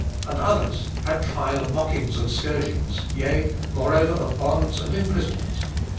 And others had trial of mockings and scourgings, yea, moreover of bonds and imprisonment: 37.